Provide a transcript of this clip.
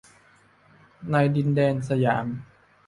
ในดินแดนสยาม